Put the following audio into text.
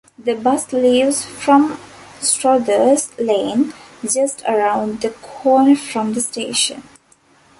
The bus leaves from Strothers Lane, just around the corner from the station.